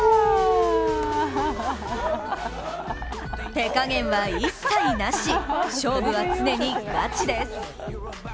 手加減は一切なし、勝負は常にガチです。